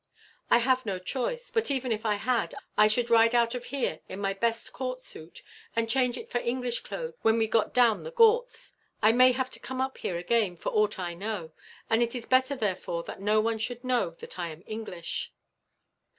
"I have no choice; but even if I had, I should ride out of here in my best court suit, and change it for English clothes when we got down the Ghauts. I may have to come up here again, for aught I know; and it is better, therefore, that no one should know that I am English."